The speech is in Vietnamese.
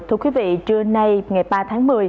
thưa quý vị trưa nay ngày ba tháng một mươi